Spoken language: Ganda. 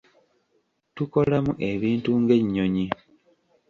Tukolamu ebintu ng'ennyonyi.